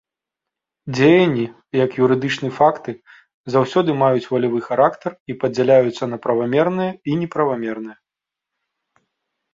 Дзеянні як юрыдычныя факты заўсёды маюць валявы характар і падзяляюцца на правамерныя і неправамерныя.